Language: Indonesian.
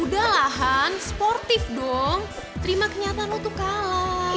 udah lah han sportif dong terima kenyataan lo tuh kalah